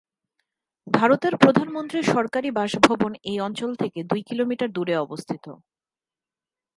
ভারতের প্রধানমন্ত্রীর সরকারি বাসভবন এই অঞ্চল থেকে দুই কিলোমিটার দূরে অবস্থিত।